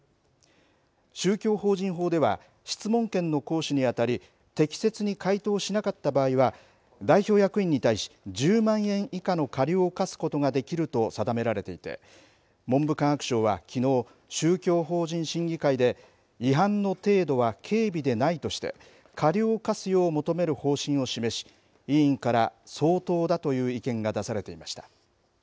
宗教法人法では質問権の行使にあたり適切に回答したかった場合は代表役員に対し１０万円以下の過料を科すことができると定められていて文部科学省はきのう、宗教法人審議会で違反の程度は軽微でないとして過料を科すよう求める方針を示し委員から相当だという意見が出されていました。